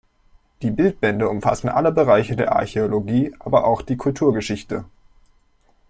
Die Bildbände umfassen alle Bereiche der Archäologie, aber auch die Kulturgeschichte.